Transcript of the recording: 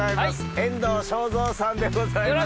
遠藤章造さんでございます。